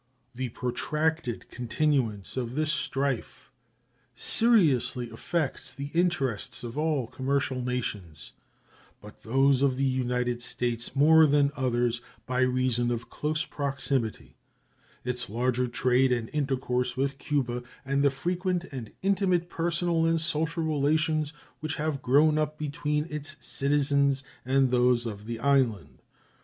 The protracted continuance of this strife seriously affects the interests of all commercial nations, but those of the United States more than others, by reason of close proximity, its larger trade and intercourse with Cuba, and the frequent and intimate personal and social relations which have grown up between its citizens and those of the island.